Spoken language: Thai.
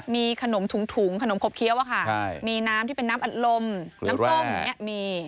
มีขนมถุงขนมขบเคี้ยวมีน้ำที่เป็นน้ำอัดลมน้ำส้มอย่างนี้มี